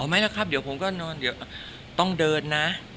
อ๋อไม่แล้วครับเดี๋ยวผมก็ต้องเดินนะ